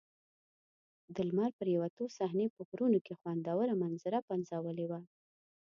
د لمر پرېوتو صحنې په غرونو کې خوندوره منظره پنځولې وه.